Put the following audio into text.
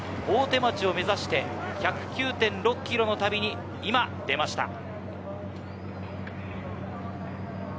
大手町を目指して１０９．６ｋｍの旅に今出ました。